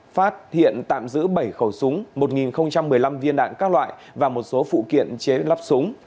phát hiện tạm giữ bảy khẩu súng một một mươi năm viên đạn các loại và một số phụ kiện chế lắp súng